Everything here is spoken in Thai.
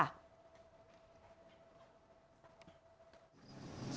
พี่บุญเนยประธานรัฐสภาก็จะเรียกประชุมสภา